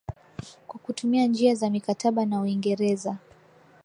Kwa kutumia njia za mikataba na Uingereza